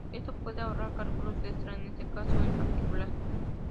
Esto puede ahorrar cálculos extra en ese caso en particular.